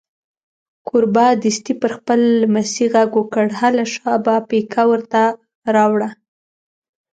کوربه دستي پر خپل لمسي غږ وکړ: هله شابه پیکه ور ته راوړه.